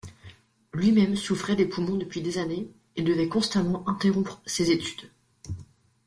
Lui-même souffrait des poumons depuis des années et devait constamment interrompre ses études.